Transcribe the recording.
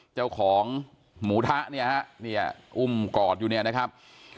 เจ้าของหมูทะเนี่ยฮะเนี่ยอุ้มกอดอยู่เนี่ยนะครับ